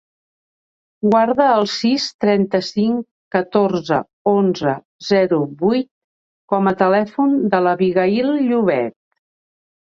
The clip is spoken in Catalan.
Guarda el sis, trenta-cinc, catorze, onze, zero, vuit com a telèfon de l'Abigaïl Llobet.